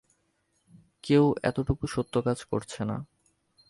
কেউ এতটুকু সত্যকাজ করছে না!